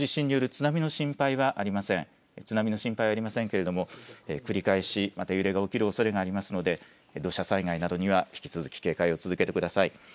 津波の心配はありませんけれども繰り返しまた揺れが起きるおそれがありますので土砂災害などには引き続き警戒を続けてください。